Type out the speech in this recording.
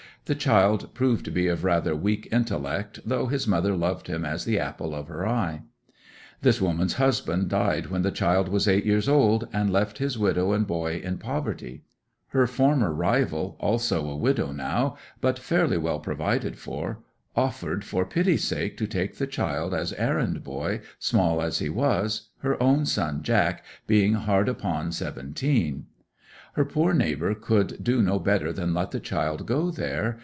The child proved to be of rather weak intellect, though his mother loved him as the apple of her eye. 'This woman's husband died when the child was eight years old, and left his widow and boy in poverty. Her former rival, also a widow now, but fairly well provided for, offered for pity's sake to take the child as errand boy, small as he was, her own son, Jack, being hard upon seventeen. Her poor neighbour could do no better than let the child go there.